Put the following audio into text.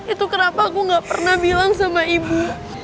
itu kenapa aku gak pernah bilang sama ibu